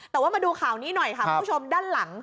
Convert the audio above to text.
แต่ว่ามาดูข่าวนี้หน่อยค่ะคุณผู้ชมด้านหลัง